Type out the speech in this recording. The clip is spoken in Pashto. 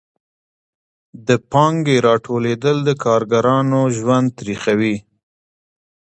د پانګې راټولېدل د کارګرانو ژوند تریخوي